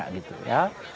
yang kedua tentu nu nya